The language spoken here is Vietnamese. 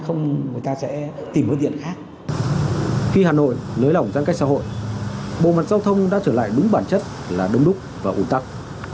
khi hà nội lấy lỏng giãn cách xã hội bộ mặt giao thông đã trở lại đúng bản chất là đông đúc và ủ tắc